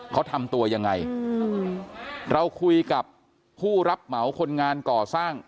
เขาทำตัวยังไงอืมเราคุยกับผู้รับเหมาคนงานก่อสร้าง